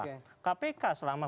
kpk selama berjalan